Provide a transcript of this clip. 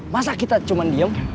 masa kita cuman diem